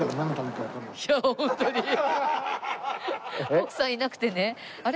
徳さんいなくてねあれ？